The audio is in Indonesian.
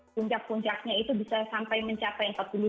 puncak puncaknya itu bisa sampai mencapai empat puluh dua